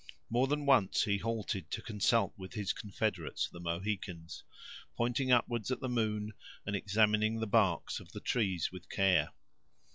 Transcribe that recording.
More than once he halted to consult with his confederates, the Mohicans, pointing upward at the moon, and examining the barks of the trees with care.